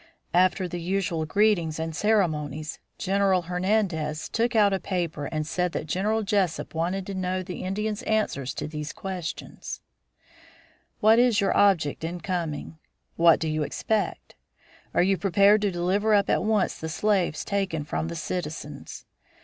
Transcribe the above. After the usual greetings and ceremonies General Hernandez took out a paper and said that General Jesup wanted to know the Indians' answer to these questions: "What is your object in coming? What do you expect? Are you prepared to deliver up at once the slaves taken from the citizens?